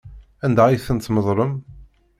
Anda ay tent-tmeḍlem?